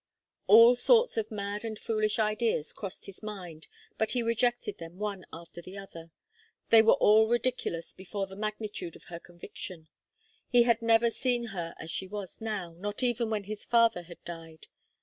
All sorts of mad and foolish ideas crossed his mind, but he rejected them one after the other. They were all ridiculous before the magnitude of her conviction. He had never seen her as she was now, not even when his father had died.